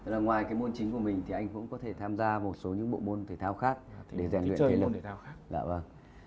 là ngoài cái môn chính của mình thì anh cũng có thể tham gia một số những bộ môn thể thao khác để dành cho môn thể thao khác